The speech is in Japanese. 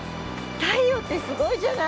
太陽ってすごいじゃない。